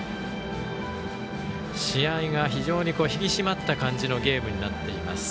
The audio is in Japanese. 試合が非常に引き締まった感じのゲームになっています。